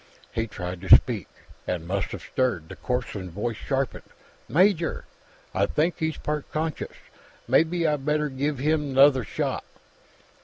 He tried to speak, and must have stirred; the corpsman's voice sharpened. "Major, I think he's part conscious. Mebbe I better give him 'nother shot."